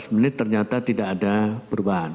lima belas menit ternyata tidak ada perubahan